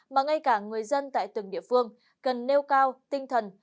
mà ngay cả người dân tại từng địa phương cần nêu cao tinh thần